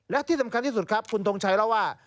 และที่สำคัญที่สุดครับคุณทงชัยเล่าว่า